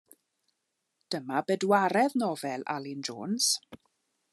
Dyma bedwaredd nofel Alun Jones.